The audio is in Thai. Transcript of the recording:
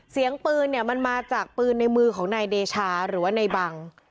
เสียงปืนเนี่ยมันมาจากปืนในมือของนายเดชาหรือว่าในบัง